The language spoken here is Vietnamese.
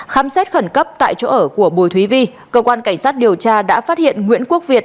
khám xét khẩn cấp tại chỗ ở của bùi thúy vi cơ quan cảnh sát điều tra đã phát hiện nguyễn quốc việt